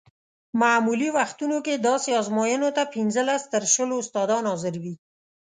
معمولي وختونو کې داسې ازموینو ته پنځلس تر شلو استادان حاضر وي.